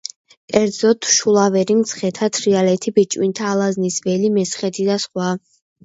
კერძოდ: შულავერი, მცხეთა, თრიალეთი, ბიჭვინთა, ალაზნის ველი, მესხეთი და სხვა.